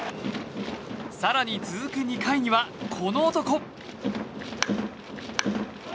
更に続く２回には、この男。